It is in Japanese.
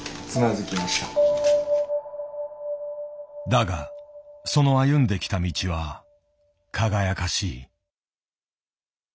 だがその歩んできた道は輝かしい。